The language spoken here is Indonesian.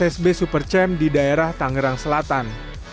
dan juga msb super champ di daerah tangerang selatan